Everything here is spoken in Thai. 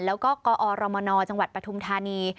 แล้วก็กอรมนจังหวัดปฐุมธานี